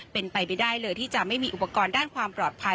เป็นไปไม่ได้เลยที่จะไม่มีอุปกรณ์ด้านความปลอดภัย